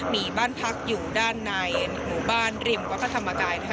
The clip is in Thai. มีบ้านพักอยู่ด้านในหมู่บ้านริมวัดพระธรรมกายนะคะ